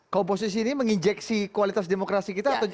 komposisi ini menginjeksi kualitas demokrasi kita atau